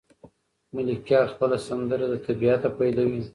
ملکیار خپله سندره له طبیعته پیلوي.